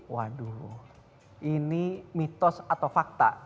waduh ini mitos atau fakta